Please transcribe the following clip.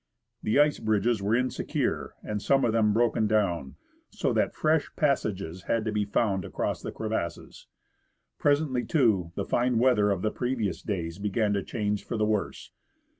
The ice bridges were insecure and some of them broken down, so that fresh passages had to be found across the crevasses. Presently, too, the fine weather of the previous days began to change for the worse.